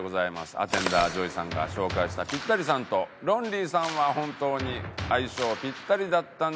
アテンダーＪＯＹさんが紹介したピッタリさんとロンリーさんは本当に相性ピッタリだったんでしょうか？